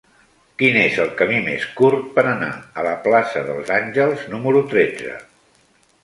Quin és el camí més curt per anar a la plaça dels Àngels número tretze?